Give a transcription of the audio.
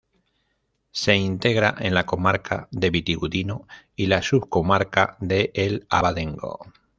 Se integra en la comarca de Vitigudino y la subcomarca de El Abadengo.